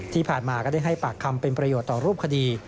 ที่ผ่านมาก็ได้ให้ปากคำเป็นประโยชน์ต่อรูปคดี